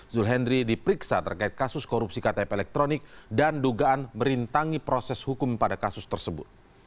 zul hendri diperiksa terkait kasus korupsi ktp elektronik dan dugaan merintangi proses hukum pada kasus tersebut